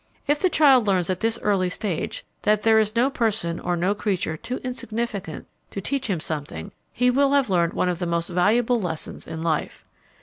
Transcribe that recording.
If the child learns at this early stage that there is no person or no creature too insignificant to teach him something, he will have learned one of the most valuable lessons in life.